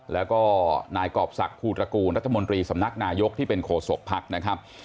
แล้วก็นายกรอบศักดิภูตระกูลรัฐมนตรีสำนักนายกที่เป็นโคศกภักดิ์นะครับ